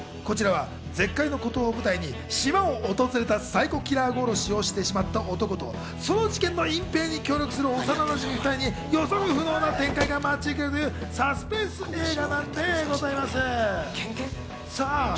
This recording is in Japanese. こちらは絶海の孤島を舞台に、島を訪れたサイコキラーを殺してしまった男とその事件の隠蔽に協力する幼なじみ２人に予測不能な展開が待ち受けるというサスペンス映画なんでございます。